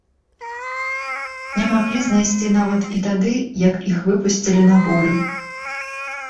Не маглі знайсці нават і тады, як іх выпусцілі на волю.